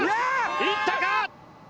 いったか？